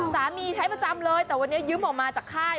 ใช้ประจำเลยแต่วันนี้ยืมออกมาจากค่าย